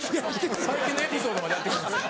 最近のエピソードまでやって来るんですよ。